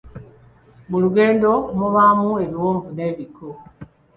Mu lugendo mubaamu ebiwonvu n’ebikko.